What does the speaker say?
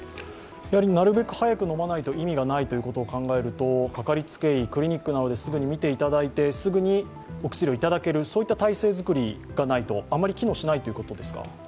なるべく早く飲まないと意味がないということを考えるとかかりつけ医、クリニックなどですぐに診ていただいて、すぐにお薬をいただける、そういった体制作りがないと、あまりよくないということですか？